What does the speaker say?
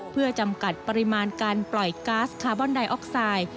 เพื่อจำกัดปริมาณการปล่อยก๊าซคาร์บอนไดออกไซด์